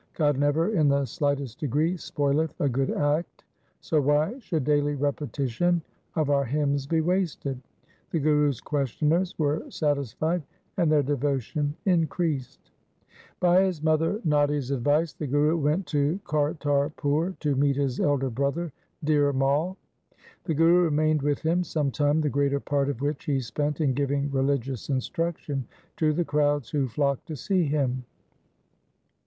God never in the slightest degree spoileth a good act, so why should daily repetition of our hymns be wasted?' The Guru's questioners were satisfied and their devotion in creased. By his mother Natti's advice the Guru went to Kartarpur to meet his elder brother Dhir Mai. The Guru remained with him some time, the greater part of which he spent in giving religious instruction to the crowds who flocked to see him.